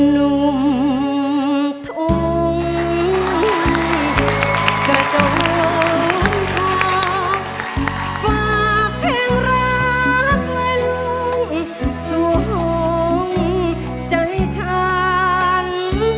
นุ่มทุ่มก็จะวงต่อฝากเพลงรักไว้ลุงสู่ห่วงใจฉัน